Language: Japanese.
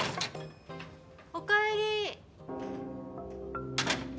おかえり。